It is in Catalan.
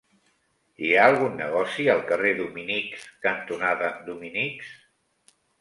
Hi ha algun negoci al carrer Dominics cantonada Dominics?